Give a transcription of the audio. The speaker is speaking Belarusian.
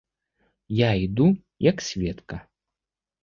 Я іду, як сведка.